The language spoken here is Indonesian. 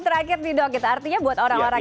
terakhir tidur artinya buat orang orang